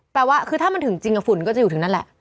แปลว่าคือถ้ามันถึงจริงฝุ่นก็จะอยู่ถึงนั่นแหละ